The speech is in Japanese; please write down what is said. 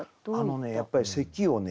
やっぱり咳をね